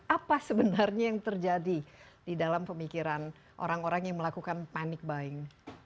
apa sebenarnya yang terjadi di dalam pemikiran orang orang yang melakukan panic buying